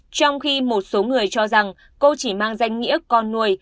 trong khi một số người cho rằng cô chỉ mang danh nghĩa con nuôi